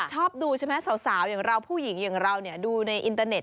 ชอบดูใช่ไหมสาวผู้หญิงอย่างเราเนี่ยดูในอินเตอร์เน็ต